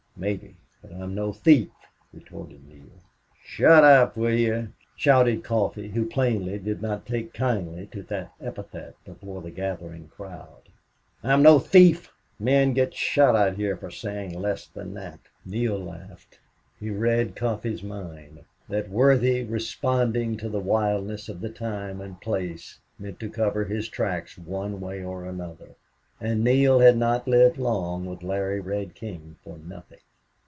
"Maybe. But I'm no thief," retorted Neale. "Shut up, will you?" shouted Coffee, who plainly did not take kindly to that epithet before the gathering crowd. "I'm no thief... Men get shot out here for saying less than that." Neale laughed. He read Coffee's mind. That worthy, responding to the wildness of the time and place, meant to cover his tracks one way or another. And Neale had not lived long with Larry Red King for nothing.